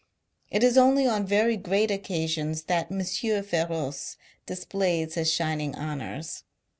It is only on very great occasions that M. Foroce displays his shining honours.